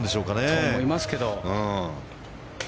そう思いますけど。